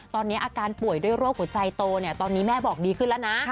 ตอนนี้อาการป่วยด้วยโรคหัวใจโตเนี่ยตอนนี้แม่บอกดีขึ้นแล้วนะ